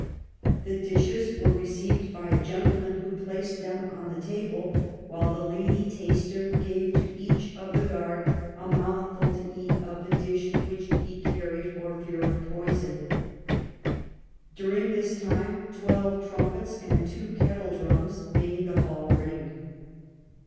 The dishes were received by a gentleman, who placed them on the table, while the lady taster gave to each of the guard a mouthful to eat of the dish which he carried, for fear of poison. During this time twelve trumpets and two kettle drums made the hall ring.